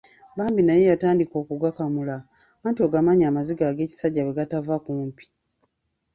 Bambi naye yatandika okugakamula anti ogamanyi amaziga g'ekisajja bwe gatava kumpi.